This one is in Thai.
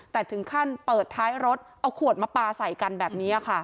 แต่ถึงขั้นเปิดท้ายรถเอาขวดมาปลาใส่กันแบบนี้ค่ะ